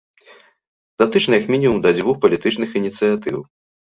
Датычны як мінімум да дзвюх палітычных ініцыятыў.